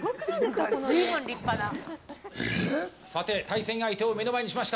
対戦相手を目の前にしました。